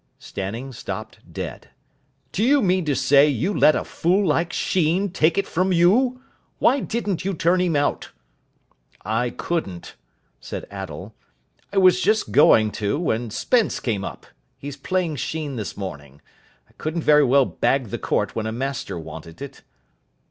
Stanning stopped dead. "Do you mean to say you let a fool like Sheen take it from you! Why didn't you turn him out?" "I couldn't," said Attell. "I was just going to when Spence came up. He's playing Sheen this morning. I couldn't very well bag the court when a master wanted it."